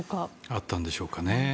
あったんでしょうかね。